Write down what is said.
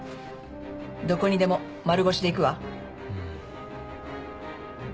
どこにでも丸腰で行くわ」